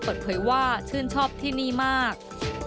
เปิดเผยว่าชื่นชอบที่นี่มาก